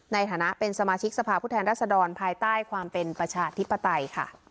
ในฐานะเป็นสมาชิกสภาพผู้แทนรัศดรภายใต้ความเป็นประชาธิปไตยค่ะ